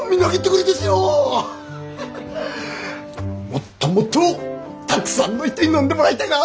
もっともっとたくさんの人に飲んでもらいたいな！